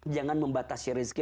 jangan membatasi rezeki